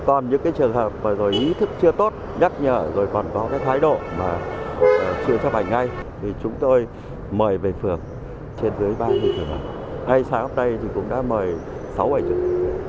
thế còn những trường hợp và ý thức chưa tốt nhắc nhở rồi còn có cái thái độ mà chưa chấp hành ngay thì chúng tôi mời về phường trên dưới ba người phường ngay sáng hôm nay thì cũng đã mời sáu bảy trường